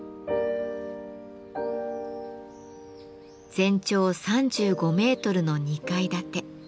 全長３５メートルの２階建て。